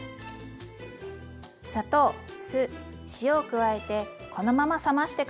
砂糖酢塩を加えてこのまま冷まして下さい。